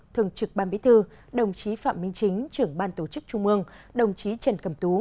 thường trực ban bí thư đồng chí phạm minh chính trưởng ban tổ chức trung mương đồng chí trần cầm tú